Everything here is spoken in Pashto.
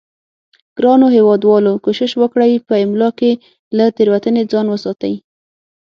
ګرانو هیوادوالو کوشش وکړئ په املا کې له تیروتنې ځان وساتئ